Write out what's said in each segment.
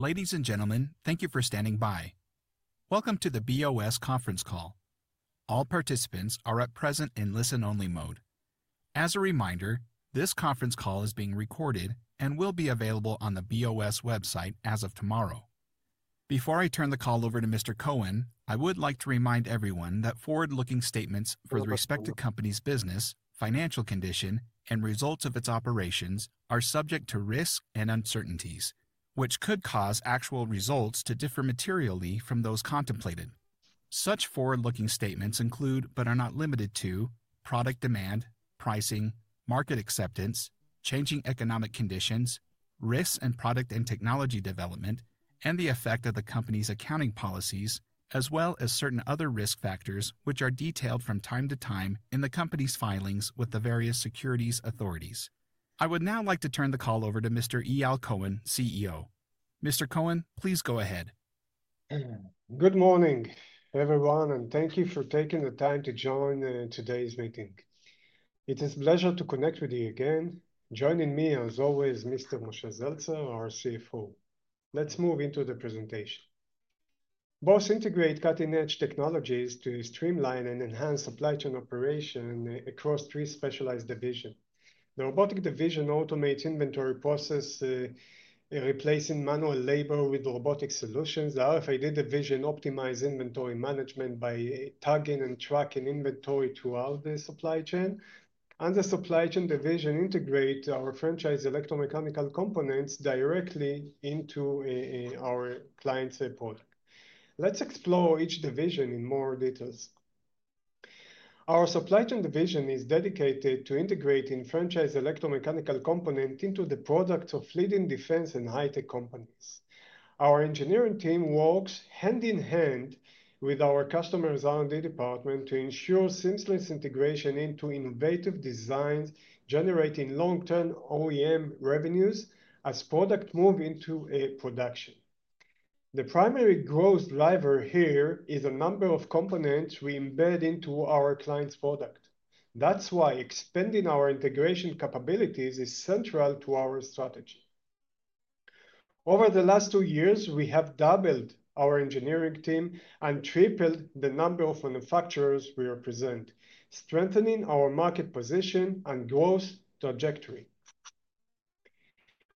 Ladies and gentlemen, thank you for standing by. Welcome to the BOS conference call. All participants are at present in listen-only mode. As a reminder, this conference call is being recorded and will be available on the BOS website as of tomorrow. Before I turn the call over to Mr. Cohen, I would like to remind everyone that forward-looking statements for the respective company's business, financial condition, and results of its operations are subject to risk and uncertainties, which could cause actual results to differ materially from those contemplated. Such forward-looking statements include, but are not limited to, product demand, pricing, market acceptance, changing economic conditions, risks in product and technology development, and the effect of the company's accounting policies, as well as certain other risk factors which are detailed from time to time in the company's filings with the various securities authorities. I would now like to turn the call over to Mr. Eyal Cohen, CEO. Mr. Cohen, please go ahead. Good morning, everyone, and thank you for taking the time to join today's meeting. It is a pleasure to connect with you again. Joining me, as always, Mr. Moshe Zeltzer, our CFO. Let's move into the presentation. BOS integrates cutting-edge technologies to streamline and enhance supply chain operations across three specialized divisions. The Robotic Division automates inventory processes, replacing manual labor with robotic solutions. The RFID Division optimizes inventory management by tagging and tracking inventory throughout the supply chain. The Supply Chain Division integrates our franchise electromechanical components directly into our clients' products. Let's explore each division in more detail. Our Supply Chain Division is dedicated to integrating franchise electromechanical components into the products of leading defense and high-tech companies. Our engineering team works hand in hand with our customer R&D department to ensure seamless integration into innovative designs, generating long-term OEM revenues as products move into production. The primary growth driver here is the number of components we embed into our clients' products. That's why expanding our integration capabilities is central to our strategy. Over the last two years, we have doubled our engineering team and tripled the number of manufacturers we represent, strengthening our market position and growth trajectory.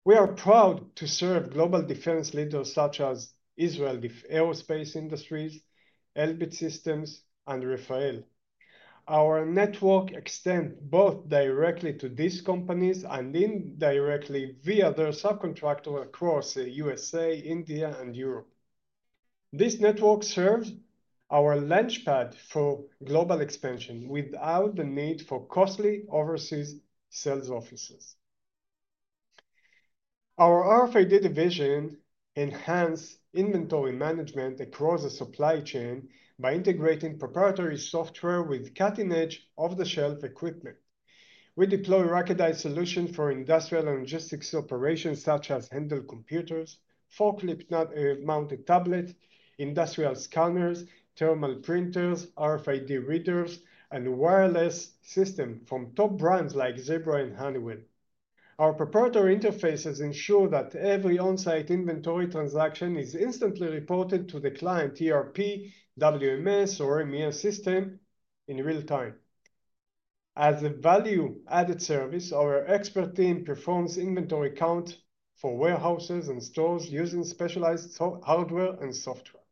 We are proud to serve global defense leaders such as Israel Aerospace Industries, Elbit Systems, and Rafael. Our network extends both directly to these companies and indirectly via their subcontractors across the USA, India, and Europe. This network serves as our launchpad for global expansion without the need for costly overseas sales offices. Our RFID Division enhances inventory management across the supply chain by integrating proprietary software with cutting-edge off-the-shelf equipment. We deploy a ruggedized solution for industrial and logistics operations such as handheld computers, forklift-mounted tablets, industrial scanners, thermal printers, RFID readers, and wireless systems from top brands like Zebra and Honeywell. Our proprietary interfaces ensure that every on-site inventory transaction is instantly reported to the client ERP, WMS, or MES system in real time. As a value-added service, our expert team performs inventory counts for warehouses and stores using specialized hardware and software.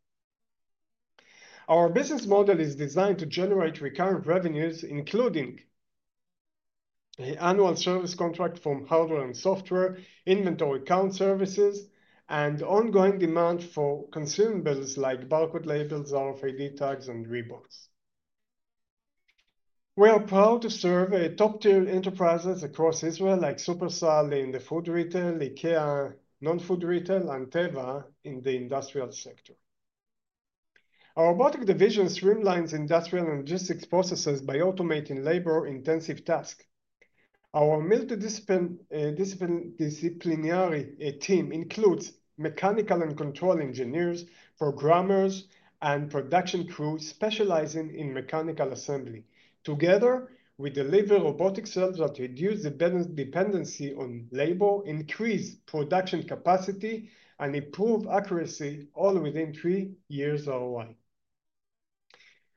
Our business model is designed to generate recurrent revenues, including annual service contracts from hardware and software, inventory count services, and ongoing demand for consumables like barcode labels, RFID tags, and ribbons. We are proud to serve top-tier enterprises across Israel like Shufersal in the food retail, IKEA non-food retail, and Teva in the industrial sector. Our Robotic Division streamlines industrial and logistics processes by automating labor-intensive tasks. Our multidisciplinary team includes mechanical and control engineers, programmers, and production crews specializing in mechanical assembly. Together, we deliver robotic cells that reduce dependency on labor, increase production capacity, and improve accuracy all within three years ROI.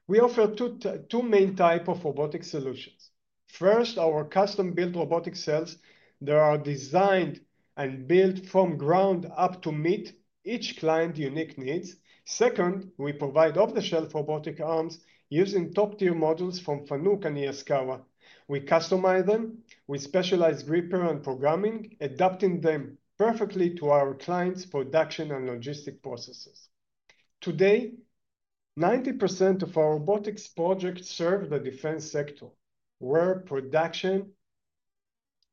We offer 2 main types of robotic solutions. First, our custom-built robotic cells that are designed and built from the ground up to meet each client's unique needs. Second, we provide off-the-shelf robotic arms using top-tier modules from Fanuc and Yaskawa. We customize them with specialized grippers and programming, adapting them perfectly to our clients' production and logistics processes. Today, 90% of our robotics projects serve the defense sector, where production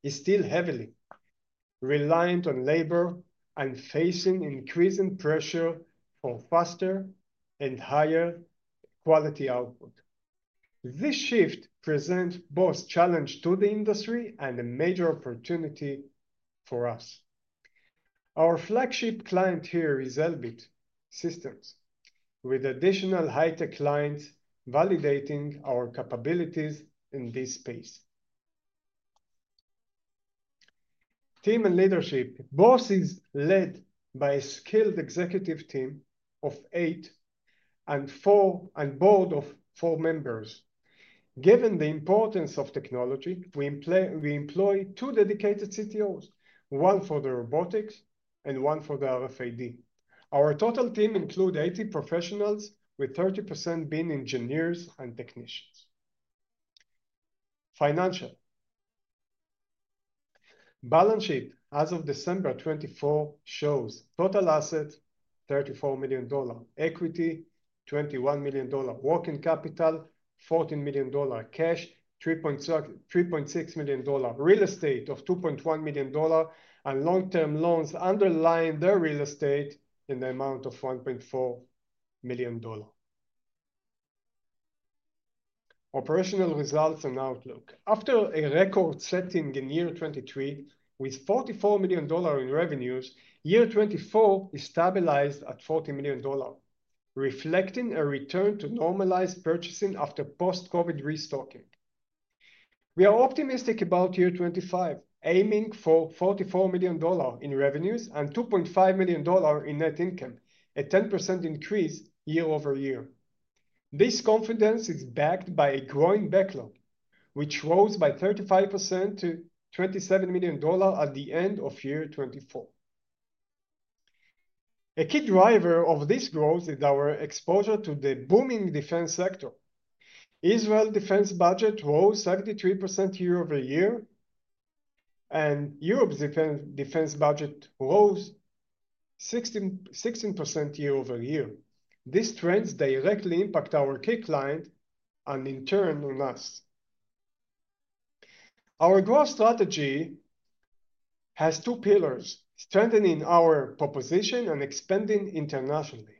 is still heavily reliant on labor and facing increasing pressure for faster and higher quality output. This shift presents both challenges to the industry and a major opportunity for us. Our flagship client here is Elbit Systems, with additional high-tech clients validating our capabilities in this space. Team and leadership: BOS is led by a skilled executive team of 8 and a board of 4 members. Given the importance of technology, we employ 2 dedicated CTOs, one for the robotics and one for the RFID. Our total team includes 80 professionals, with 30% being engineers and technicians. Financial: Balance sheet as of December 2024 shows total assets: $34 million, equity: $21 million, working capital: $14 million, cash: $3.6 million, real estate of $2.1 million, and long-term loans underlying their real estate in the amount of $1.4 million. Operational results and outlook: After a record-setting in year 2023 with $44 million in revenues, year 2024 is stabilized at $40 million, reflecting a return to normalized purchasing after post-COVID restocking. We are optimistic about year 2025, aiming for $44 million in revenues and $2.5 million in net income, a 10% increase year over year. This confidence is backed by a growing backlog, which rose by 35% to $27 million at the end of year 2024. A key driver of this growth is our exposure to the booming defense sector. Israel's defense budget rose 73% year over year, and Europe's defense budget rose 16% year over year. These trends directly impact our key clients and, in turn, on us. Our growth strategy has two pillars: strengthening our proposition and expanding internationally.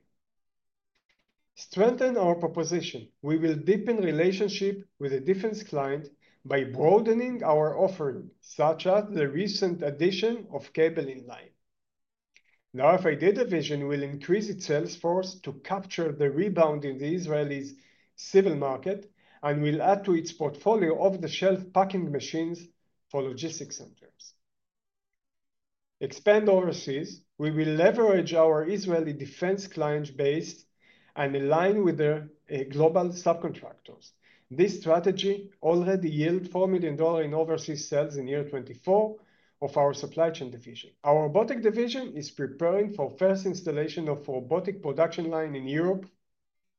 To strengthen our proposition, we will deepen relationships with defense clients by broadening our offering, such as the recent addition of a cabling line. The RFID Division will increase its sales force to capture the rebound in the Israeli civil market and will add to its portfolio of off-the-shelf packing machines for logistics centers. To expand overseas, we will leverage our Israeli defense client base and align with their global subcontractors. This strategy already yields $4 million in overseas sales in year 2024 of our Supply Chain Division. Our Robotic Division is preparing for the first installation of a robotic production line in Europe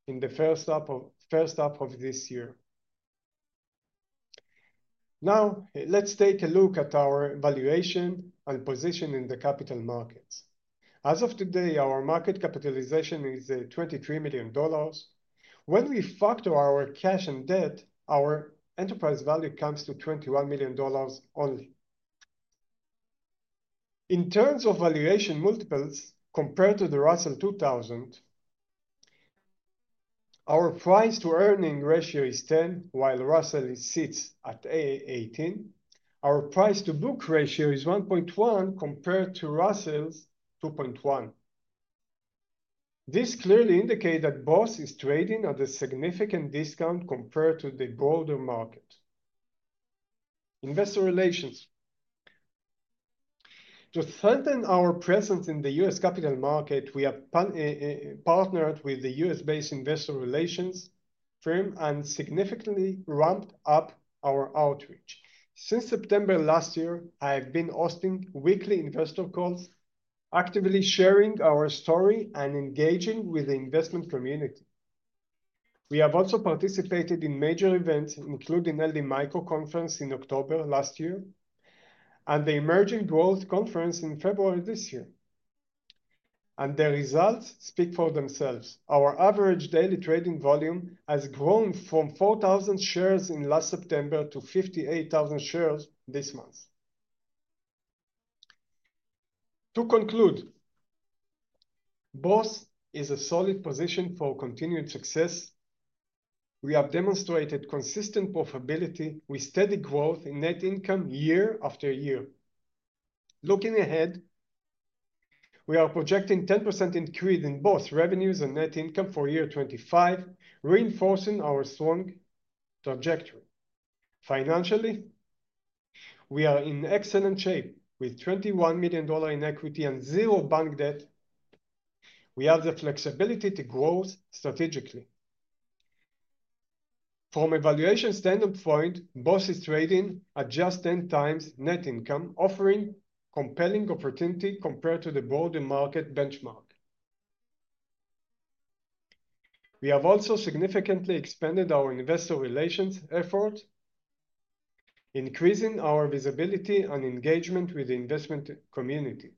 in the first half of this year. Now, let's take a look at our valuation and position in the capital markets. As of today, our market capitalization is $23 million. When we factor our cash and debt, our enterprise value comes to $21 million only. In terms of valuation multiples compared to the Russell 2000, our price-to-earnings ratio is 10, while Russell sits at 18. Our price-to-book ratio is 1.1 compared to Russell's 2.1. This clearly indicates that BOS is trading at a significant discount compared to the broader market. Investor relations: To strengthen our presence in the U.S. capital market, we have partnered with a U.S.-based investor relations firm and significantly ramped up our outreach. Since September last year, I have been hosting weekly investor calls, actively sharing our story and engaging with the investment community. We have also participated in major events, including the LD Micro conference in October last year and the Emerging Growth Conference in February this year. The results speak for themselves. Our average daily trading volume has grown from 4,000 shares in last September to 58,000 shares this month. To conclude, BOS is a solid position for continued success. We have demonstrated consistent profitability with steady growth in net income year after year. Looking ahead, we are projecting a 10% increase in both revenues and net income for year 2025, reinforcing our strong trajectory. Financially, we are in excellent shape with $21 million in equity and zero bank debt. We have the flexibility to grow strategically. From a valuation standpoint, BOS is trading at just 10x net income, offering compelling opportunity compared to the broader market benchmark. We have also significantly expanded our investor relations efforts, increasing our visibility and engagement with the investment community.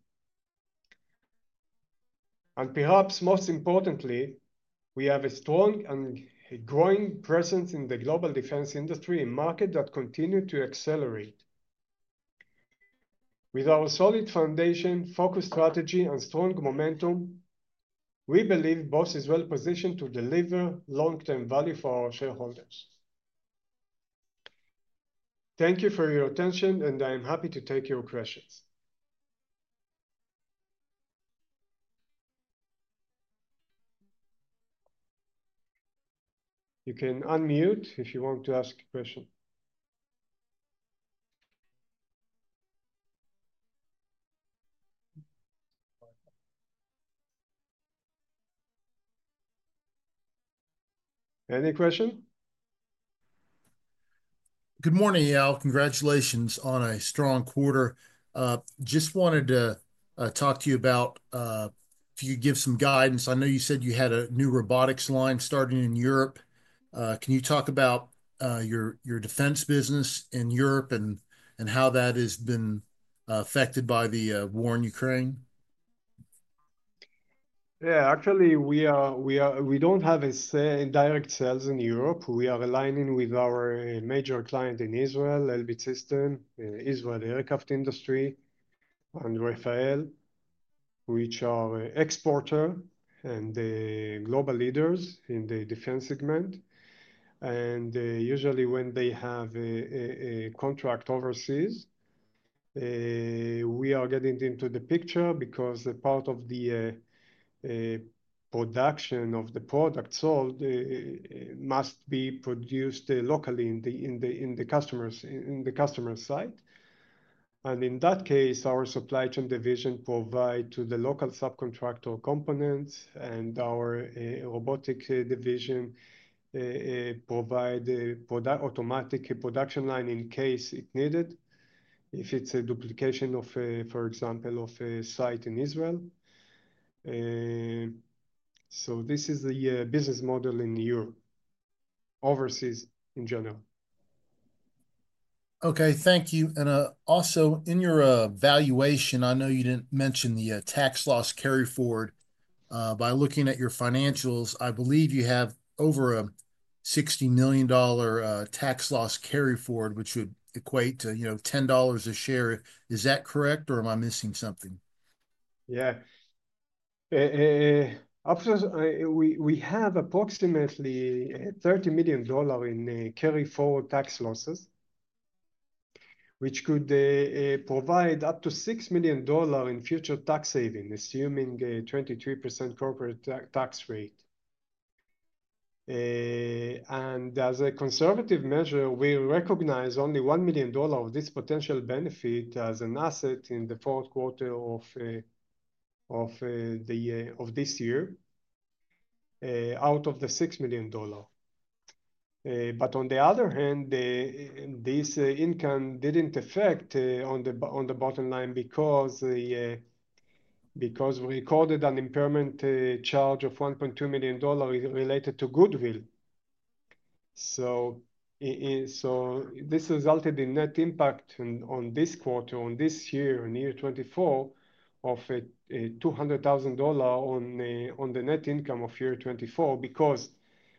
Perhaps most importantly, we have a strong and growing presence in the global defense industry, a market that continues to accelerate. With our solid foundation, focused strategy, and strong momentum, we believe BOS is well-positioned to deliver long-term value for our shareholders. Thank you for your attention, and I am happy to take your questions. You can unmute if you want to ask a question. Any questions? Good morning, Eyal. Congratulations on a strong quarter. Just wanted to talk to you about if you could give some guidance. I know you said you had a new robotics line starting in Europe. Can you talk about your defense business in Europe and how that has been affected by the war in Ukraine? Yeah, actually, we do not have direct sales in Europe. We are aligning with our major client in Israel, Elbit Systems, Israel Aerospace Industries, and Rafael, which are exporters and global leaders in the defense segment. Usually, when they have a contract overseas, we are getting into the picture because part of the production of the product sold must be produced locally in the customer's site. In that case, our Supply Chain Division provides to the local subcontractor components, and our Robotic Division provides an automatic production line in case it's needed, if it's a duplication of, for example, a site in Israel. This is the business model in Europe, overseas in general. Okay, thank you. Also, in your valuation, I know you didn't mention the tax loss carry forward. By looking at your financials, I believe you have over a $60 million tax loss carry forward, which would equate to $10 a share. Is that correct, or am I missing something? Yeah. We have approximately $30 million in carry forward tax losses, which could provide up to $6 million in future tax savings, assuming a 23% corporate tax rate. As a conservative measure, we recognize only $1 million of this potential benefit as an asset in the fourth quarter of this year out of the $6 million. On the other hand, this income did not affect the bottom line because we recorded an impairment charge of $1.2 million related to Goodwill. This resulted in net impact on this quarter, on this year, in year 2024, of $200,000 on the net income of year 2024 because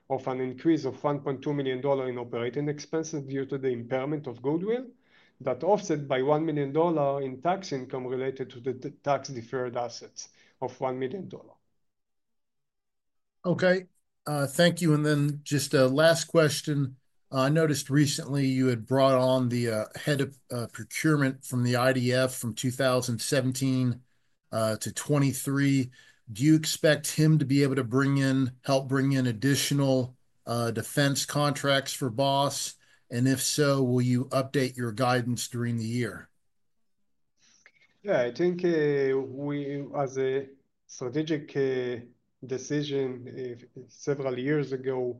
of an increase of $1.2 million in operating expenses due to the impairment of Goodwill that was offset by $1 million in tax income related to the tax-deferred assets of $1 million. Okay, thank you. Just a last question. I noticed recently you had brought on the head of procurement from the IDF from 2017 to 2023. Do you expect him to be able to help bring in additional defense contracts for BOS? If so, will you update your guidance during the year? Yeah, I think as a strategic decision, several years ago,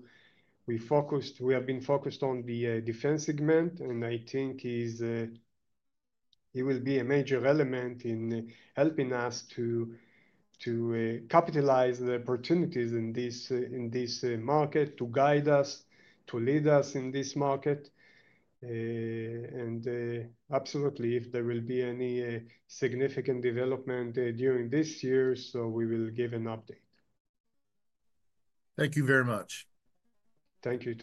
we have been focused on the defense segment, and I think he will be a major element in helping us to capitalize the opportunities in this market, to guide us, to lead us in this market. Absolutely, if there will be any significant development during this year, we will give an update. Thank you very much. Thank you.